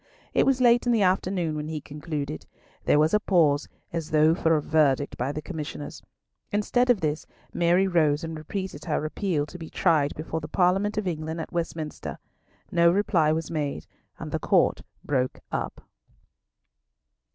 It was late in the afternoon when he concluded. There was a pause, as though for a verdict by the Commissioners. Instead of this, Mary rose and repeated her appeal to be tried before the Parliament of England at Westminster. No reply was made, and the Court broke up.